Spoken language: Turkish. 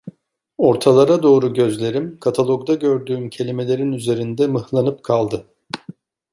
Ortalara doğru gözlerim, katalogda gördüğüm kelimelerin üzerinde mıhlanıp kaldı.